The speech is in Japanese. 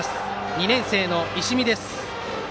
２年生の石見です。